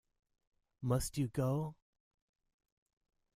Must you go?